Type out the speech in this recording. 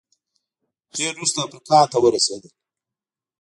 ډېر وروسته افریقا ته ورسېدل